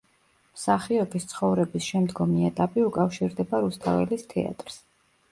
მსახიობის ცხოვრების შემდგომი ეტაპი უკავშირდება რუსთაველის თეატრს.